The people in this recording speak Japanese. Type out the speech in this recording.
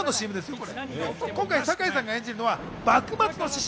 今回、堺さんが演じるのは幕末の志士。